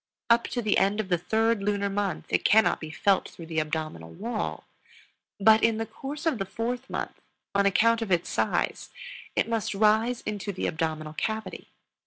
Up to the end of the third lunar month it cannot be felt through the abdominal wall; but in the course of the fourth month, on account of its size, it must rise into the abdominal cavity.